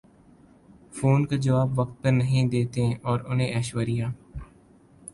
phone کا جواب وقت پر نہیں دیتیں اور انہیں ایشوریا